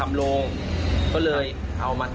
ไม่มีรอยไฟไหม้